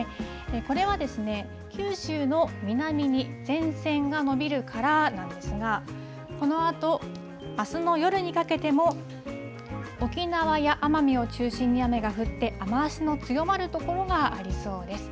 これは九州の南に前線が延びるからなんですが、このあと、あすの夜にかけても沖縄や奄美を中心に雨が降って、雨足の強まる所がありそうです。